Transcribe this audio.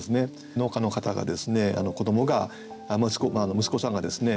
農家の方がですね子どもが息子さんがですね